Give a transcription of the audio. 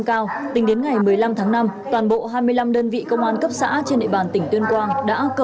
cao tính đến ngày một mươi năm tháng năm toàn bộ hai mươi năm đơn vị công an cấp xã trên địa bàn tỉnh tuyên quang đã có